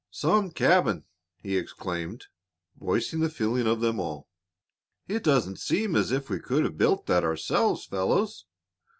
"Some cabin!" he exclaimed, voicing the feeling of them all. "It doesn't seem as if we could have built that ourselves, fellows."